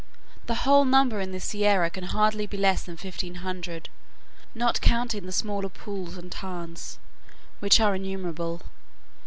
The whole number in the Sierra can hardly be less than fifteen hundred, not counting the smaller pools and tarns, which are innumerable.